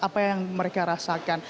apa yang mereka rasakan